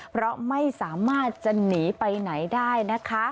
เพราะไม่สามารถจะหนีไปไหนได้นะคะ